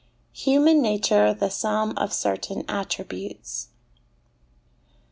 Human Nature the Sum of certain Attributes.